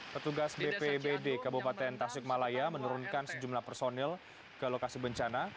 ketugas bpbd kabupaten tasik malaya menurunkan sejumlah personil ke lokasi bencana